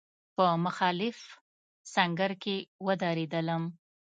په مخالف سنګر کې ودرېدلم.